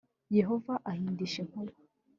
yehova ahindisha inkuba